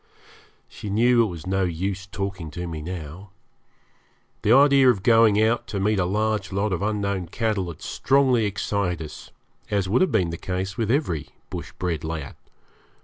She knew it was no use talking to me now. The idea of going out to meet a large lot of unknown cattle had strongly excited us, as would have been the case with every bush bred lad.